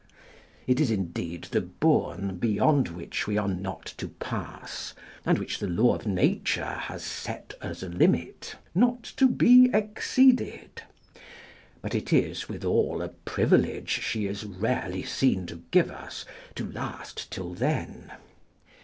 It is, indeed, the bourn beyond which we are not to pass, and which the law of nature has set as a limit, not to be exceeded; but it is, withal, a privilege she is rarely seen to give us to last till then.